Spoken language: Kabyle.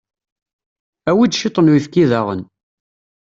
Awi-d ciṭ n uyefki daɣen.